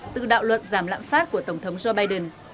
từ đạo luật giảm lãm phát của tổng thống joe biden